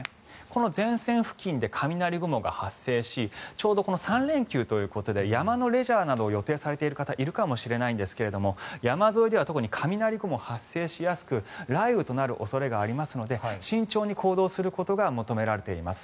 この前線付近で雷雲が発生しちょうど３連休ということで山のレジャーなどを予定されている方いるかもしれないんですけど山沿いでは特に雷雲が発生しやすく雷雨となる恐れがありますので慎重に行動することが求められています。